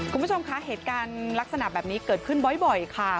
คุณผู้ชมคะเหตุการณ์ลักษณะแบบนี้เกิดขึ้นบ่อยค่ะ